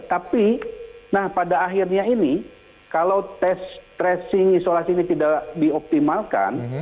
tapi nah pada akhirnya ini kalau tes tracing isolasi ini tidak dioptimalkan